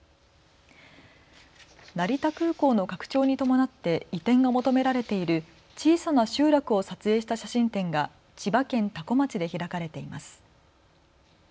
成田空港の拡張に伴って移転が求められている小さな集落を撮影した写真展が千葉県多古町で開かれています。